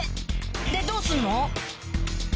でどうすんの？